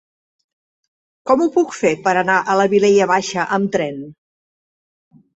Com ho puc fer per anar a la Vilella Baixa amb tren?